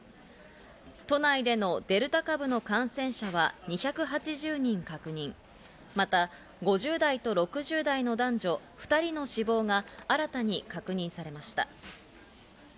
都内でのデルタ株の感染者は２８０人確認、また、５０代と６０代の男女２人の死亡が新たに確認されました。